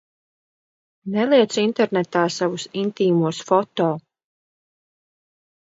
Neliec internetā savus intīmos foto!